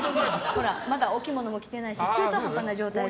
まだお着物も着てないし中途半端な状態で。